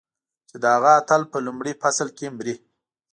چې د هغه اتل په لومړي فصل کې مري.